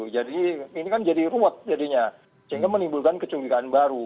jadi ini kan jadi ruwet jadinya sehingga menimbulkan kecuali baru